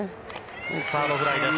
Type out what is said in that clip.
サードフライです。